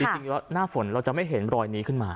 จริงแล้วหน้าฝนเราจะไม่เห็นรอยนี้ขึ้นมา